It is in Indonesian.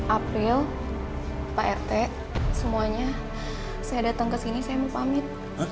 april pak rete semuanya saya datang kesini saya mau pamit